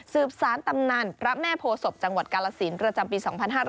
สารตำนานพระแม่โพศพจังหวัดกาลสินประจำปี๒๕๕๙